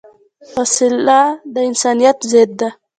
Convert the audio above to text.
وسله د انسانیت ضد ده